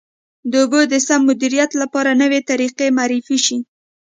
د اوبو د سم مدیریت لپاره نوې طریقې معرفي شي.